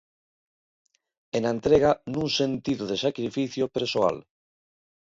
E na entrega, nun sentido de sacrificio persoal.